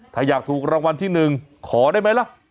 ถ้าอยากถูกรางวัลที่๑ขอได้ไหมล่ะ